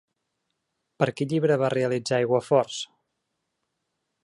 Per quin llibre va realitzar aiguaforts?